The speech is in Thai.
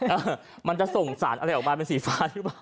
เออมันจะส่งสารอะไรออกมาเป็นสีฟ้าหรือเปล่า